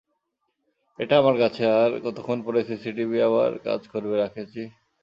এটা আমার কাছে, আর কতক্ষণ পরে সিসিটিভি আবার কাজ করবে, রাকেশজি?